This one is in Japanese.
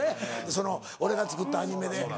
その俺が作ったアニメで。